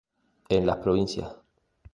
En las provincias.